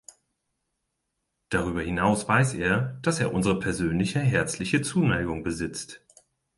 Darüber hinaus weiß er, dass er unsere persönliche herzliche Zuneigung besitzt.